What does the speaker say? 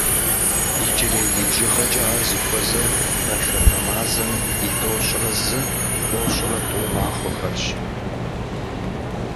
Иджырей ди бжыгъэкӀэ ар зыхуэзэр гъатхэпэ мазэм и тӏощӏрэ зы-тӏощӏрэ тӏу махуэхэрщ.